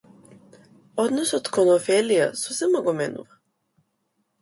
Односот кон Офелија сосема го менува.